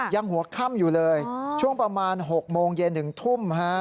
ยังหัวค่ำอยู่เลยช่วงประมาณ๖โมงเย็นถึงทุ่ม